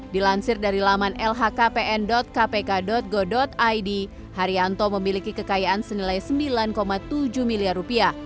dilansir dari laman lhkpn kpk go id haryanto memiliki kekayaan senilai sembilan tujuh miliar rupiah